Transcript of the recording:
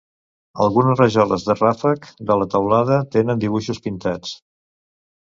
Algunes rajoles del ràfec de la teulada tenen dibuixos pintats.